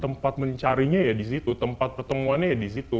tempat mencarinya ya di situ tempat pertemuannya ya di situ